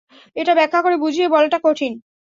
এটা ব্যাখ্যা করে বুঝিয়ে বলাটা কঠিন!